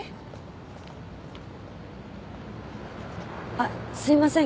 あっすいません